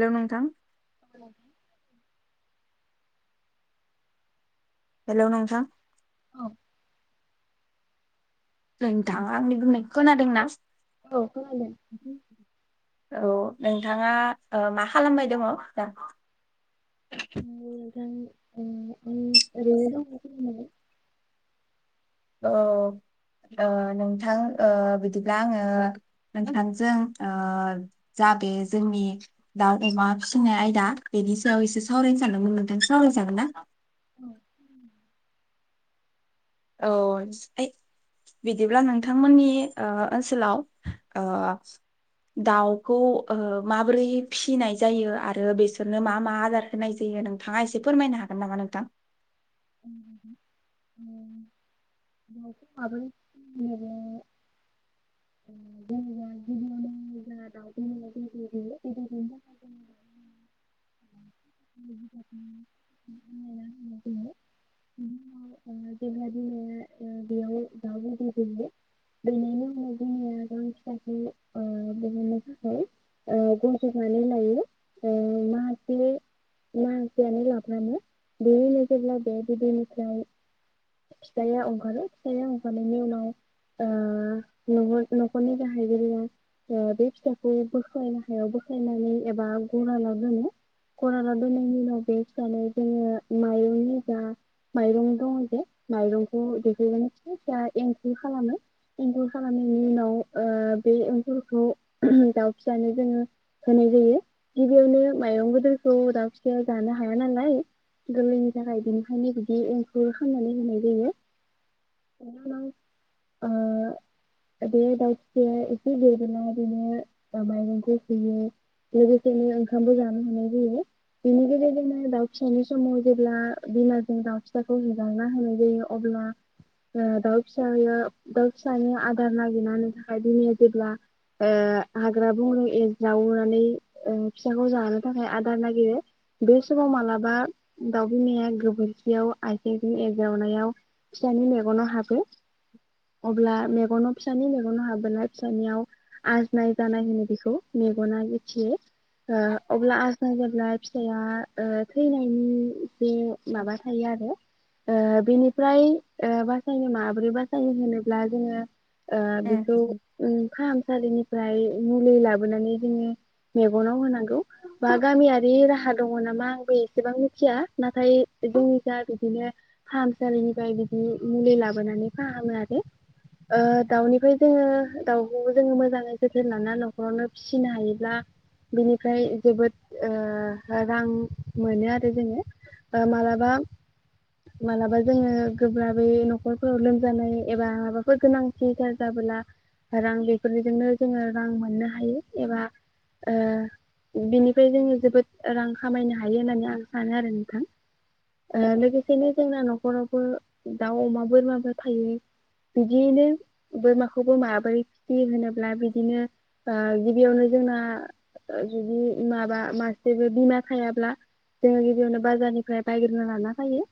हेल' नोंथां हेलौ हेल' नोंथां नोंथाङा आंनि बुंनायखो खोनादोंना? औ खोनादों। औ नोंथाङा‌ ओ मा खालामबाय दंङ दा? [inaudible] [unintelligible] ओरैनो दंथयो [unintelligible] ओ ओ नोंथां ओ बिदिब्ला आंङो नोंथांजों ओ जा बे जोंनि दाउ अमा फिनाय आयदा बेनि सायाव एसे सावरायनो सानदोंमोन नोंथां सावराय जागोन ना? औ बिदिब्ला नोंथांमोननि ओ ओनसोलाव ओ दाउखौ ओ माबोरै फिनाय जायो आरो बेसोरनो मा मा आदार होनाय जायो नोंथांआ एसे फोरमायनो हागोन नामा नोंथां? [unintelligible] ओ जेनेबा गिबियावनो जोंहा दाउजों अनलाजों [unintelligible] बेनि उनाव ओ [unintelligible] जोङो गावनि फिसाखौ ओ बहननो थाखाय गज'बनानै लायो ओ माहासे माहासेयानो लाफ्रामो बेनि उनाव जेब्ला बे बिदैनिफ्राय फिथाइया ओंखारो फिथाइया ओंखारनायनि उनाव ओ न न'खरनि गाहै बे फिसाखौ बोखायनो हायाव बोख्लायनानै एबा गरालाव दोनो गरालाव दोननायनि उनाव बे फिसानो जोङो माइरंनि जा माइरं दङ जे माइरंखौ देखायनानै फिसा फिसा एंखुर खालामो एखुर खालामनायनि ओ उनाव बे एंखुरखौ दाउ फिसानो जोङो होनाय जायो गिबियावनो माइरं गोदोरखौ दाउ फिसाया जानो हाया नालाय गोरलै जाबाय बेनिखायनो बिदि एंखु गुरख'नानै होनाय जायो बेनि उनाव ओ बे दाउ फिसाया एसे गेयोब्ला बेनो माइरंखौ होयो लोगोसेनो ओंखामबो जानो होनाय जायो बेनि गेजेरजोंनो दाउ फिसानि समाव जेब्ला बिमाजों दाउ फिसाखौ एंगारना होनाय जायो अब्ला ओ दाउ फिसायो दाउ फिसानि आर आदार नागिरनो थाखाय दिनैया जेब्ला ओ हाग्रा बंग्रा एज्रावनानै फिसाखौ जानो थाखाय आदार नागिरो बे समाव मालाबा दाउ बिमाया गोबोरखियाव आथिंजों एरज्रावनायाव फिसानि मेगनाव हाबो अब्ला मेगनाव फिसानि मेगनाव हाबोनाय फिसानियाव आजनाय जानाय होनो बेखौ मेगना मिथियो अब्ला आजनाय जाब्ला फिसाया थैनायनि जे उम, माबा थायो आरो ओ बेनिफ्राय बासायनो माब्रै बासायनो होनोब्ला जोङो ओ बेखौ उम फाहामसालिनि फ्राय मुलि लाबोनानै जोङो मेगनाव होनांगौ बा गामियारि राहा दङ नामा आंबो एसेबां मिथिया नाथाय दङबा बिदिनो फाहामसालिनिफ्राय बिदि मुलि लाबोनानै फाहामो आरो ओ दाउनिफ्राय जोङो दाउखौबो जोङो मोजाङै जोथोन लानानानै न'खरावनो फिसिनो हायोब्ला बिनिफ्राय जोबोद ओ रां मोनो आरो जोङो ओ मालाबा मालाबा जोङो गोब्राबै न'खरफोराव लोमजानाय एबा माबाफोर गोनां सिथार जाबोला रां बेफोरजोंनो जोङो रां मोननो हायो एबा ओ बिनिफ्राय जोङो जोबोद रां खामायनो हायो होननानै आं सानो आरो नोंथां लोगोसेनो जोंना न'खरावबो दाउ अमा बोरमाबो थायो बिदियैनो बोरमाखौबो माबोरै फिसियो होनोब्ला बिदिनो गिबियावनो जोंना जुदि माबा माससेबो बिमा थायाब्ला जोङो गिबियावनो बाजारनिफ्राय बायग्रोना लाना फैयो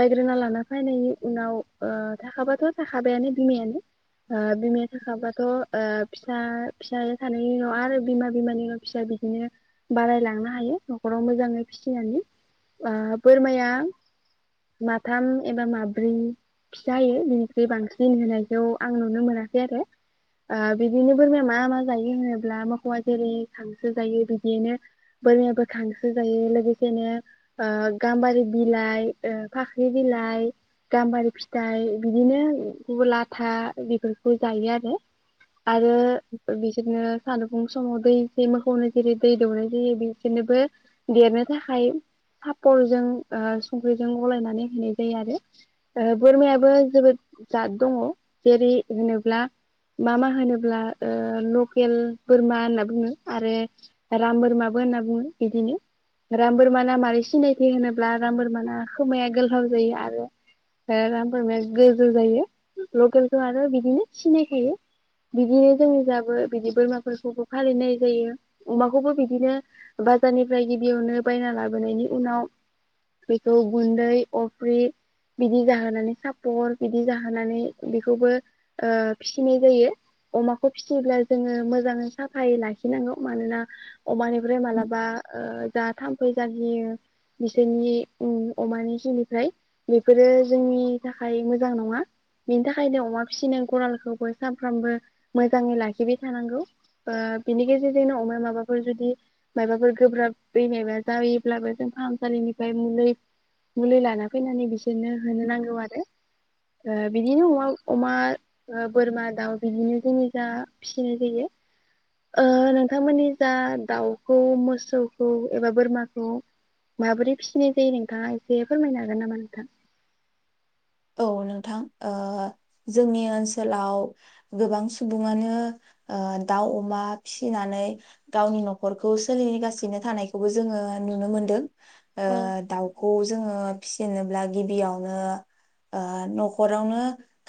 बायग्रोना लाना फैनायनि उनाव ओ थाखाबाथ' थाखाबायानो बिमायानो ओ बिमाया थाखाबाथ' ओ फिसा फिसा थानायनि उनाव आरो बिमा बिमानि उनाव फिसा बिदिनो बारायलांनो हायो न'खराव मोजाङै फिसिनानै ओ बोरमाया माथाम एबा माब्रै फिसा होयो बिनिख्रुइ बांसिन होनायखौ आं नुनो मोनाखै आरो ओ बिदिनो बोरमाया मा मा जायो होनोब्ला मोसौ आ जेरै खांसो जायो बिदियनो बोरमायाबो खांसो जायो लोगोसेनो गाम्बारि बिलाइ, ओ फाख्रि बिलाइ, गाम्बारि फिथाइ, बिदिनो लाथा बेफोरखौ जायो आरो आरो बिसोरनो सानजुफु समाव दै मोखौनो जेरै दै दौनाय जायो बिसोरनोबो देरनो थाखाय सापरजों ओ संख्रिजों गलायनानै होनाय जायो आरो ओ बोरमायाबो जोबोद जाद दङ। जेरै होनोब्ला मा मा होनोब्ला ओ लकेल बोरमा होनना बुङो आरो राम बोरमाबो होनना बुङो बिदिनो राम बोरमाना मारै सिनायथि होनोब्ला राम बोरमाना खोमाया गोलाव जायो आरो राम बोरमाया गोजौ जायो लकेल आरो बिदिनो सिनायखायो बिदिनो जोंनि जाबो बिदि बोरमाफोरखौबो फालिनाय जायो अमाखौबो बिदिनो बाजारनिफ्राय गिबियावनो बायना लाबोनायनि उनाव बेखौ गुन्दै अफ्रि बिदि जाहोनानै सापर बिदि जाहोनानै बेखौबो ओ फिसिनाय जायो अमाखौ फिसियोब्ला जोङो मोजाङै साफायै लाखिनांगौ मानोना अमानिफ्राय मालाबा ओ जा थाम्फै जागियो बिसोरनि अमानि जुनिफ्राय बेफोरो जोंनि थाखाय मोजां नङा बेनि थाखाय फायनो अमा फिसिनाय गरालखौबो सानफ्रामबो मोजाङै लाखिबाय थानांगौ ओ बिनि गेजेरजोंनो अमा माबाफोर जुदि माबाफोर गोब्राबैनायबा जायोब्लाबो जों फाहामसालिनिफ्राय मुलि मुलि लाना फैनानै बिसोरनो होनो नांगौ आरो ओ बिदिनो अमा अमा बोरमा दाउ बिदिनो जोंनि जा फिसिनाय जायो ओ नोंथांमोननि जा दाउखौ मोसौखौ एबा बोरमाखौ माबोरै फिसिनाय जायो नोंथाङा एसे फोरमायनो हागोन नामा नोंथां? औ नोंथां ओ जोंनि ओनसोलाव गोबां सुबुङानो ओ दाउ अमा फिसिनानै गावनि न'खरखौ सोलिगासिनो थानायखौबो जोङो नुनो मोनदों। ओ औ दाउखौ जोङो फिसिनोब्ला गिबियावनो ओ न'खरावनो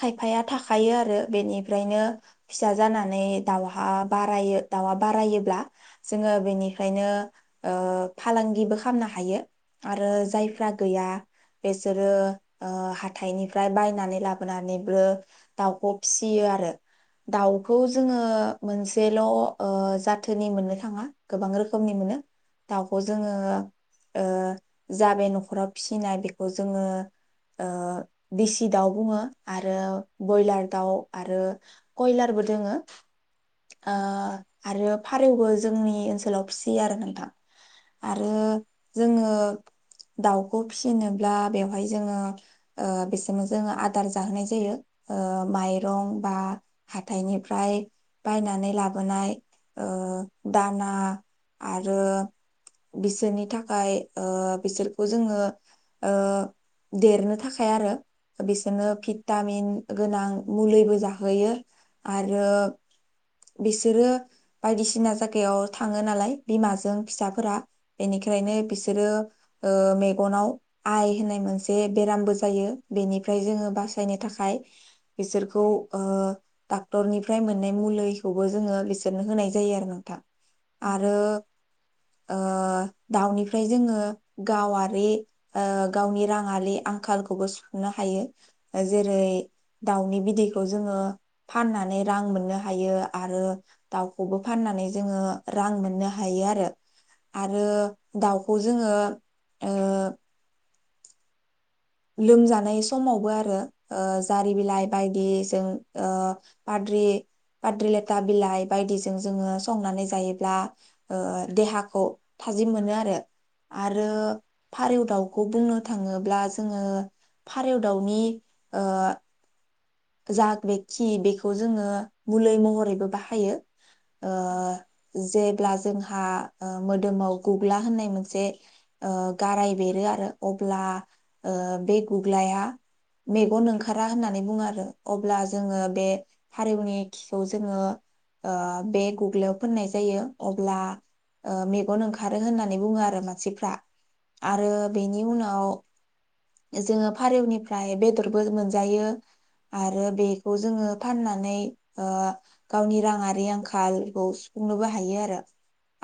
खायफाया थाखायो आरो बेनिफ्रायनो फिसा जानानै दाउहा बारायो दाउया बारायोब्ला जोङो बेनिफ्रायनो ओ फालांगिबो खालामनो हायो। आरो जायफ्रा गैया बेसोरो ओ हा हाथाइनिफ्राय बायनानै लाबोनानैबो दाउखौ फिसियो आरो दाउखौ जोङो मोनसेल' ओ जाथोनि मोननो थाङा गोबां रोखोमनि मोनो दाउखौ जोङो ओ जा बे न'खराव फिसिनाय बेखौ जोङो ओ दिसि दाउ बुङो आरो बयलार दाउ आरो कयलारबो दोङो। ओ आरो फारौबो जोंनि ओनसोलाव फिसियो आरो नोंथां। आरो जोङो दाउखौ फिसिनोब्ला बेवहाय जोङो ओ बिसोरनो जोङो आदार जाहोनाय जायो माइरं बा हाथायनिफ्राय बायनानै लाबोनाय ओ दाना आरो बिसोरनि थाखाय बिसोरखौ जोङो देरनो थाखाय थाखाय आरो बिसोरनो भिटामिन गोनां मुलिबो जाहोयो आरो बिसोरो बायदिसिना जायगायाव थाङो नालाय बिमाजों फिसाफोरा बेनिखायनो बिसोरो ओ मेगनाव आइ होननाय मोनसे बेरामबो जायो बेनिफ्राय जोङो बासायनो थाखाय बिसोरखौ ओ डाक्टरनिफ्राय मोननाय मुलिखौबो जोङो बिसोरनो होनाय जायो आरो नोंथां आरो ओ दाउनिफ्राय जोङो गावारि ओ गावनि राङारि आंखाल खौबो सुफनो हायो जेरै दाउनि बिदैखौ जोङो फाननानै रां मोननो हायो आरो दाउखौबो फाननानै जोङो रां मोननो हायो आरो आरो दाउखौ जोङो ओ लोमजानाय समावबो आरो ओ जारि बिलाइ बायदि ओ आद्रिाद्रि लेथा बिलाइ बायदिजों जोङो संनानै जायोब्ला देहाखौ थाजिम मोनो आरो। आरो फारौ दाउ खौ बुंनो थाङोब्ला जोङो फारौ दाउनि ओ जाग बे खि बेखौ जोङो गलै महरैबो बाहायो ओ जे अब्ला जोंहा ओ मोदोमाव गुग्ला होननाय मोनसे ओ गाराय बेरो आरो अब्ला ओ बे गुग लाया मेगन ओंखारा होननानै बुङो आरो। अब्ला जोङो बे फारौनि खिखौ जोङो ओ बे गुगलायाव फोननाय जायो अब्ला ओ मेगन ओंखारो होननानै बुङो आरो मानसिफ्रा आरो बेनि उनाव जोङो फारौनिफ्राय बेदरबो मोनजायो आरो बेखौ जोङो फाननानै ओ गावनि राङारि आंखालखौ सुफुंनोबो हायो आरो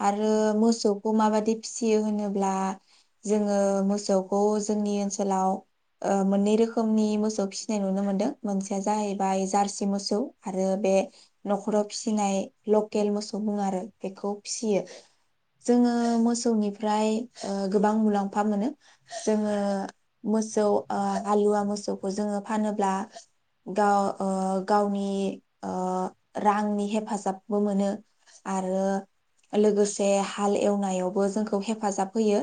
आरो मोसौखौ माबायदि फिसियो होनोब्ला जोङो मोसौखौ जोंनि ओनोल ओनसोलाव ओ मोननै रोखोमनि मोसौ फिसिनाय नुनो मोनदों मोनसेया जाहैबाय जार्सि मोसौ आरो बे नखराव फिसिनाय लकेल मोसौ बुङो आरो बेखौ फिसियो जोङो मोसौनिफ्राय गोबां मुलाम्फा मोनो जोङो मोसौ ओ आलुवा मोसौखौ जोङो फानोब्ला गाव ओ गावनि ओ रांनि हेफाजाबबो मोनो आरो लोगोसे हाल एवनायावबो जोंखौ हेफाजाब होयो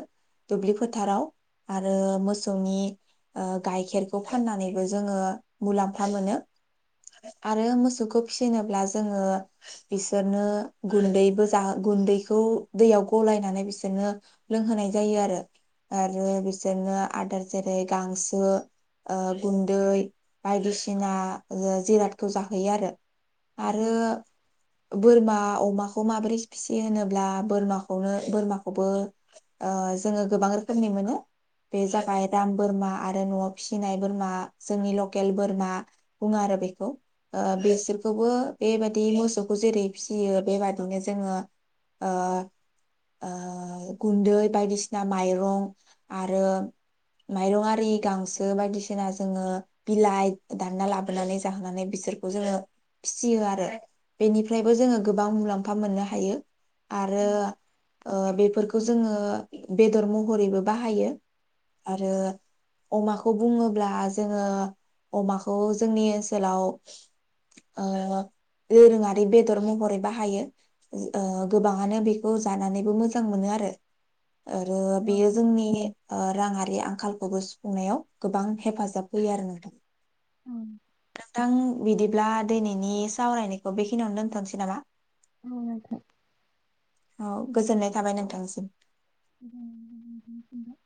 दुब्लि फोथाराव आरो मोसौ। मोसौनि ओ गाइखेरखौ फाननानैबो जोङो मुलाम्फा मोनो आरो मोसौखौ फिसिनोब्ला जोङो बिसोरनो गुन्दैबो ज गुन्दैखौ दैयाव गलायनानै बिसोरनो लोंहोनाय जायो आरो आरो बिसोरनो आदार जेरै गांसो ओ गुन्दै बायदिसिना जिरादखौ जाहोयो आरो आरो बोरमा अमाखौ माबोरै सफिसि होनोब्ला बोरमाखौनो बोरमाखौबो ओ जोङो गोबां रोखोमनि मोनो बे जाबाय राम बोरमा आरो नआव फिसिनाय बोरमा जोंनि लकेल बोरमा बुङो आरो ओ बेखौ बिसोरखौबो बेबादि मोसौखौ जेरै फिसियो बेबादिनो जोङो ओ ओ गुन्दै बायदिसिना माइरं आरो माइरं आरि गांसो बायदिसिना जोङो बिलाइ दानना लाबोनानै जाहोनानै बिसोरखौ जोङो फिसियो आरो बेनिफ्रायबो जोङो गोबां मुलाम्फा मोननो हायो आरो ओ बेफोरखौ खौ जोङो बेदर महरैबो बाहायो आरो अमाखौ बुङोब्ला जोङो अमाखौ जोंनि ओनसोलाव ओ दोरोङारि बेदर महरै बाहायो ओ गोबाङानो बेखौ जानानैबो मोजां मोनो आरो आरो बेयो जोंनि ओ राङारि आंखालखौबो सुफुंनायाव गोबां हेफाजाब होयो आरो नोंथां । औ। नोंथां बिदिब्ला दिनैनि सावरायनायखौ बेखिनियावनो दोनथनोसै नामा । आथ [unintelligible] औ गोजोननाय थाबाय नोंथांसिम। बिा [unintelligible]